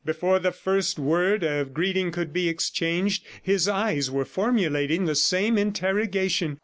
Before the first word of greeting could be exchanged, his eyes were formulating the same interrogation.